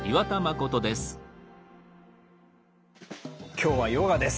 今日はヨガです。